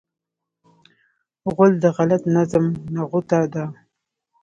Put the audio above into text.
غول د غلط نظم نغوته ده.